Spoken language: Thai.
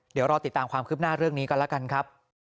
เดี๋ยวรอติดตามความคืบหน้าเรื่องนี้กันแล้วกันครับ